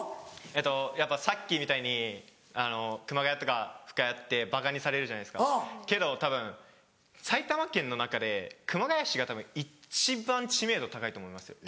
えっとやっぱさっきみたいにあの熊谷とか深谷ってばかにされるじゃないですかけどたぶん埼玉県の中で熊谷市がたぶんいっちばん知名度高いと思いますよ。